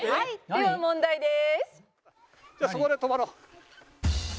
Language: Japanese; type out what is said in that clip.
では問題です」